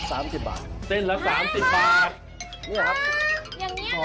คุณค่ามันมาจากแทนเม็ดอ่ะเขาสุดยอดมากต้องใช้แบบใจใช้ความสาหาะ